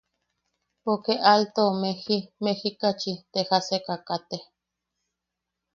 Poke alto meji mejicachi te jaseka kate.